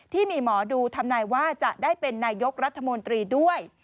ที่มีหมอดูทำนายว่าจะได้เป็นนายกรัฐมนตรีด้วย